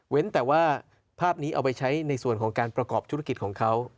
แต่ว่าภาพนี้เอาไปใช้ในส่วนของการประกอบธุรกิจของเขา